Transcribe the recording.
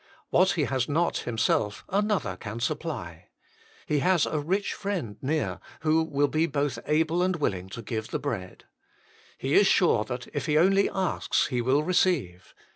What he has not himself, another can supply. He has a rich friend near, who will be both able and willing to give the bread. He is sure that if he only asks, he will receive.